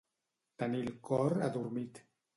Tenir el cor adormit.